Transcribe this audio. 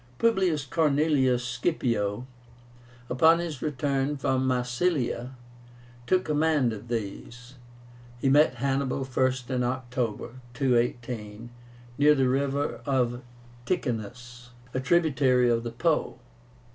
Publius Cornelius Scipio, upon his return from Massilia, took command of these. He met Hannibal first in October, 218, near the river Ticinus, a tributary of the Po.